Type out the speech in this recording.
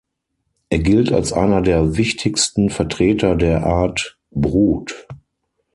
Er gilt als einer der wichtigsten Vertreter der Art Brut.